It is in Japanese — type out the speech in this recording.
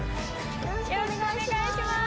よろしくお願いします。